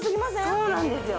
そうなんですよ。